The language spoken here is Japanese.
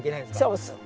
そうそう。